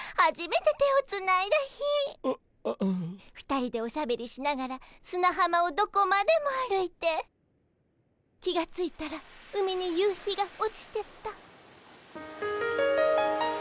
２人でおしゃべりしながらすなはまをどこまでも歩いて気が付いたら海に夕日が落ちてた。